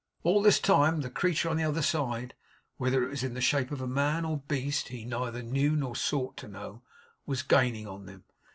All this time the creature on the other side whether it was in the shape of man, or beast, he neither knew nor sought to know was gaining on them.